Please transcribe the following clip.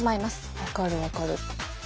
分かる分かる。